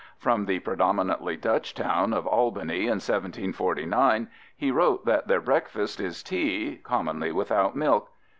From the predominantly Dutch town of Albany in 1749 he wrote that "their breakfast is tea, commonly without milk."